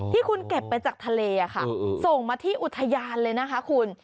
ที่คุณเก็บไปจากทะเลค่ะส่งมาที่อุทยานเลยนะคะคุณ